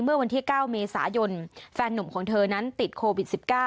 เมื่อวันที่๙เมษายนแฟนหนุ่มของเธอนั้นติดโควิด๑๙